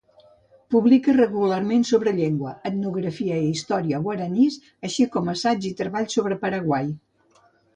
Publica regularment sobre llengua, etnografia i història guaranís, així com assaigs i treballs sobre Paraguai.